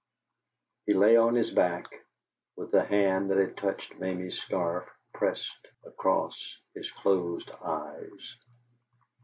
He lay on his back, with the hand that had touched Mamie's scarf pressed across his closed eyes.